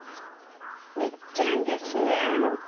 みっちゃんですよ。